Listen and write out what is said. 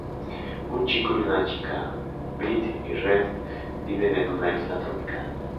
Un chico y una chica, Beat y Rest viven en una isla tropical.